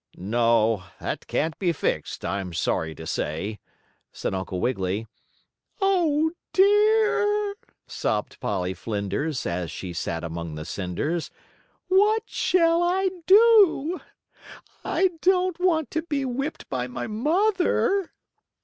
"No, that can't be fixed, I'm sorry to say," said Uncle Wiggily. "Oh, dear!" sobbed Polly Flinders, as she sat among the cinders. "What shall I do? I don't want to be whipped by my mother."